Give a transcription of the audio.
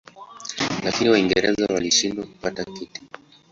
Lakini Waingereza walishindwa kupata kiti.